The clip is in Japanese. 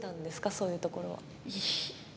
そういうところ。